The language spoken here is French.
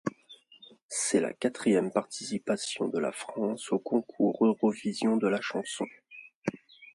C'est la quatrième participation de la France au Concours Eurovision de la chanson.